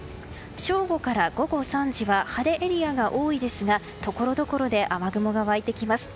正午から午後３時は晴れエリアが多いですがところどころで雨雲が湧いてきます。